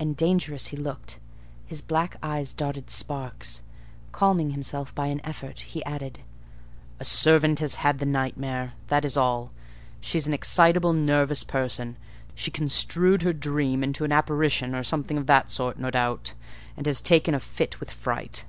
And dangerous he looked: his black eyes darted sparks. Calming himself by an effort, he added— "A servant has had the nightmare; that is all. She's an excitable, nervous person: she construed her dream into an apparition, or something of that sort, no doubt; and has taken a fit with fright.